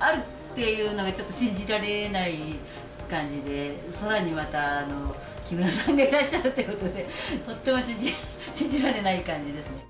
あるっていうのが、ちょっと信じられない感じで、さらにまた、木村さんがいらっしゃるということで、とっても信じられない感じですね。